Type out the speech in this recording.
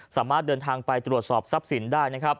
สามารถเดินทางไปตรวจสอบทรัพย์สินได้นะครับ